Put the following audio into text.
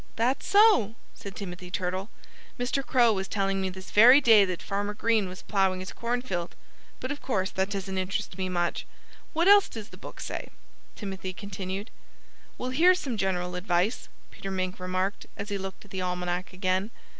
"That's so!" said Timothy Turtle. "Mr. Crow was telling me this very day that Farmer Green was ploughing his cornfield; but of course that doesn't interest me much.... What else does the book say?" Timothy continued. "Well, here's some general advice," Peter Mink remarked, as he looked at the Almanac again.